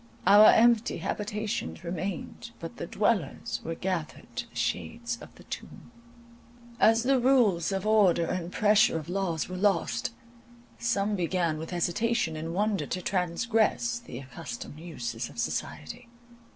Our empty habitations remained, but the dwellers were gathered to the shades of the tomb. As the rules of order and pressure of laws were lost, some began with hesitation and wonder to transgress the accustomed uses of society.